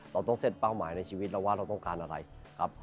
เราต้องเซ็ตเป้าหมายในชีวิตเราว่าเราต้องการอะไรครับ